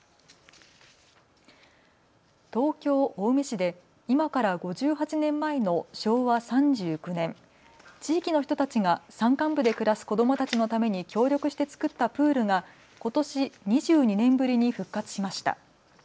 東京青梅市で今から５８年前の昭和３９年、地域の人たちが山間部で暮らす子どもたちのために協力して作ったプールがことし２２年ぶりに復活しました。